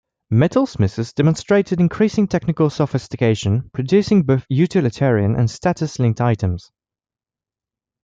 Metal smiths demonstrated increasing technical sophistication, producing both utilitarian and status-linked items.